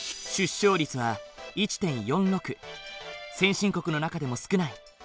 先進国の中でも少ない。